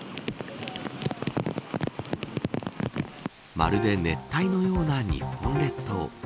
まるで熱帯のような日本列島。